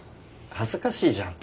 恥ずかしいじゃん。